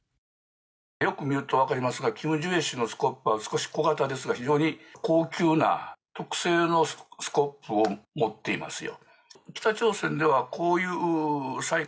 よく見るとわかりますがキム・ジュエ氏のスコップは少し小型ですが非常に高級な特製のスコップを持っていますよ。